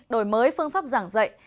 đổi mới phương pháp giảng dạy